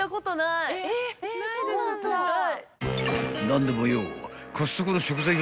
［何でもよ］